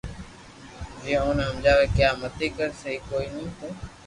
جي اوني ھمجاوي ڪي آ متي ڪر سھي ڪوئي ني ث